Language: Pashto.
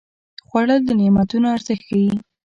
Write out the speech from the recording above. خوړل د نعمتونو ارزښت ښيي